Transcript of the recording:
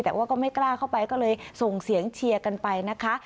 แต่ว่าก็ไม่กล้าเข้าไปก็เลยส่งเสียงเชียร์กันไปนะคะ